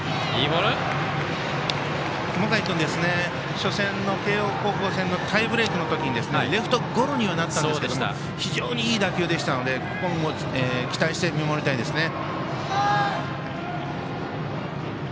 熊谷君初戦の慶応高校戦のタイブレークの時にレフトゴロにはなったんですが非常にいい打球でしたのでここも期待して見守りたいですね。